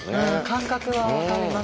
感覚は分かりますね。